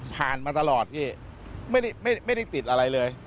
ผ่านมาตลอดไม่ได้ติดอะไรเลย